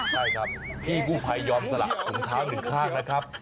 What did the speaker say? ใช่ครับพี่กู้ภัยยอมสละถุงเท้าหนึ่งข้างนะครับ